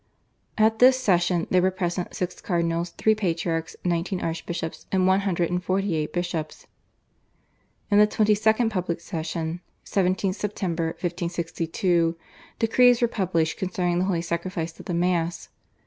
At this session there were present six cardinals, three patriarchs, nineteen archbishops, and one hundred and forty eight bishops. In the 22nd public session (17th Sept. 1562) decrees were published concerning the Holy Sacrifice of the Mass.